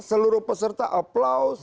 seluruh peserta applause